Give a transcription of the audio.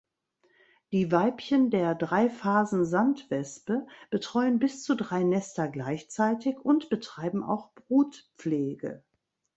Die Weibchen der Dreiphasen-Sandwespe betreuen bis zu drei Nester gleichzeitig und betreiben auch Brutpflege.